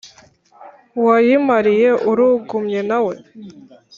wayimariye urugumye na we